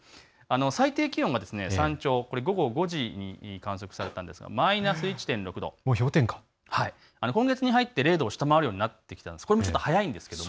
最低気温が山頂、午後５時に観測されたんですがマイナス１．６度、今月に入って０度を下回るようになってきたんです。